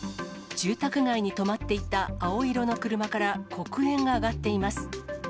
住宅街に止まっていた青色の車から黒煙が上がっています。